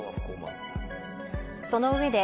その上で